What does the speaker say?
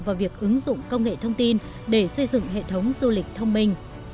vào việc ứng dụng công nghệ thông tin để xây dựng hệ thống du lịch thông minh